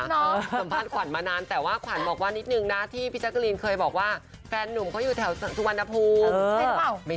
สัมภาษณ์ขวัญมั้นานแต่ขวัญบอกว่านิดนึงนะที่พี่จากรรญินเคยบอกว่าแฟนหนุ่มเขาอยู่แถวสุวรรณภูมิ